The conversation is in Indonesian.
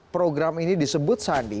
program ini disebut sandi